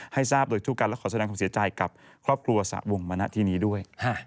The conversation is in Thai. ให้ทราบโดยทั่วกันและขอแสดงความเสียใจกับครอบครัวสระวงมาณที่นี้ด้วย